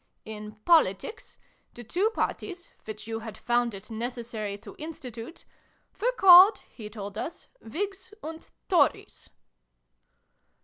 In Politics, the two Parties, which you had found it necessary to institute, were called, he told us, ' Whigs ' and ' Tories